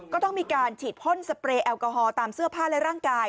ก็ต้องมีการฉีดพ่นสเปรย์แอลกอฮอลตามเสื้อผ้าและร่างกาย